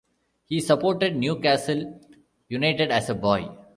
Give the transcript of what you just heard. He supported Newcastle United as a boy.